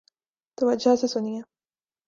توجہ سے سنیئے